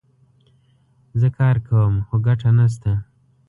زه کار کوم ، خو ګټه نه سته